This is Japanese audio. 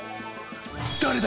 誰だ？